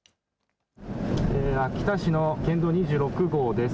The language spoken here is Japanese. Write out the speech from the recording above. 秋田市の県道２６号です。